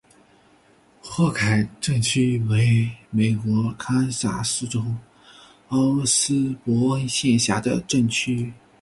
霍凯镇区为美国堪萨斯州奥斯伯恩县辖下的镇区。